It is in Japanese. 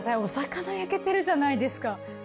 お魚焼けてるじゃないですか。